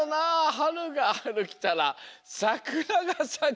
「はるがはるきたらさくらがさく」。